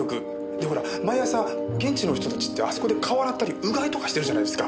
でほら毎朝現地の人たちってあそこで顔洗ったりうがいとかしてるじゃないですか。